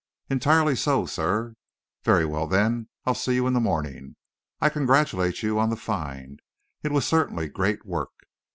"Entirely so, sir." "Very well, then; I'll see you in the morning. I congratulate you on the find. It was certainly great work."